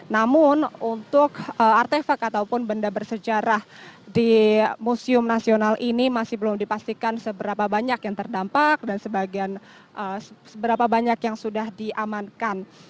namun untuk artefak ataupun benda bersejarah di museum nasional ini masih belum dipastikan seberapa banyak yang terdampak dan seberapa banyak yang sudah diamankan